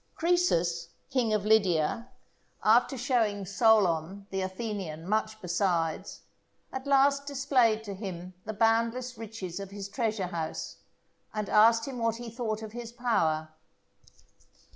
Croesus, king of Lydia, after showing Solon the Athenian much besides, at last displayed to him the boundless riches of his treasure house, and asked him what he thought of his power.